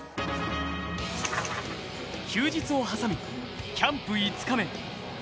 休日を挟み、キャンプ５日目。